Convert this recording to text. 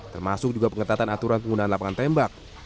termasuk juga pengetatan aturan penggunaan lapangan tembak